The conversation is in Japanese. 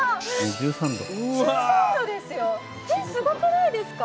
すごくないですか。